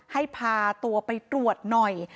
ให้พาตัวไปตรวจหน่อย